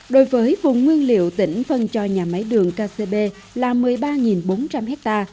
đối với vùng nguyên liệu tỉnh phân cho nhà máy đường kcb là một mươi ba bốn trăm linh ha